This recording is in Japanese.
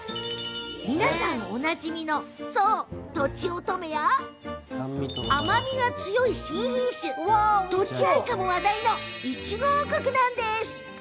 皆さんおなじみの、とちおとめや甘みが強い新品種、とちあいかも話題のいちご王国なんです。